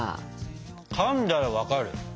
かんだら分かる。